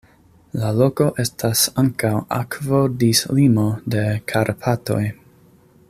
La loko estas ankaŭ akvodislimo de Karpatoj.